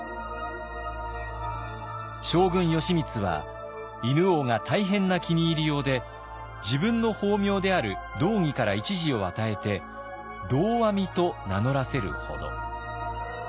将軍義満は犬王が大変な気に入りようで自分の法名である「道義」から１字を与えて「道阿弥」と名乗らせるほど。